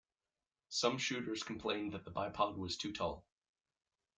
Some shooters complained that the bipod was too tall.